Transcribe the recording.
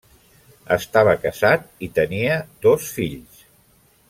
Estava casat i tenia dos fills.